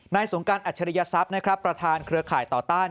สงการอัจฉริยศัพย์นะครับประธานเครือข่ายต่อต้าน